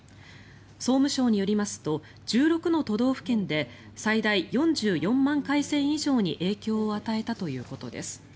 総務省によりますと１６の都道府県で最大４４万回線以上に影響を与えたということです。